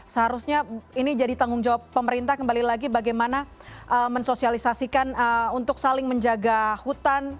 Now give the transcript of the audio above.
seharusnya ini jadi tanggung jawab pemerintah kembali lagi bagaimana mensosialisasikan untuk saling menjaga hutan